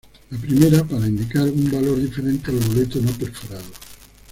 La primera para indicar un valor diferente al boleto no perforado.